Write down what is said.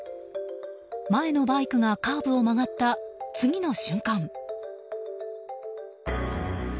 前のバイクがカーブを曲がった次の瞬間。